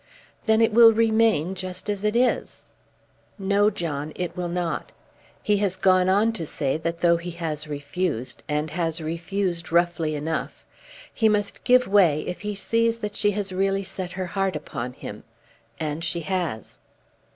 "Then it will remain just as it is." "No, John; it will not. He has gone on to say that though he has refused, and has refused roughly enough, he must give way if he sees that she has really set her heart upon him. And she has."